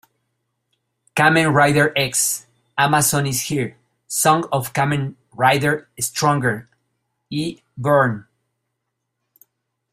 Kamen Rider X", "Amazon is Here", "Song of Kamen Rider Stronger" y "Burn!